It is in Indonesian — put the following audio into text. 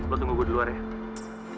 lo tunggu gue di luar ya